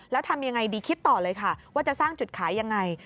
แล้วทำยังไงดีคิดต่อเลยค่ะว่าจะสร้างจุดขายยังไง